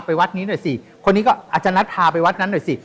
ไปวัดนี้หน่อยสิ